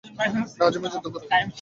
না ঝিমিয়ে যুদ্ধ করো!